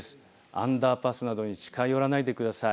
アンダーパスなどに近寄らないでください。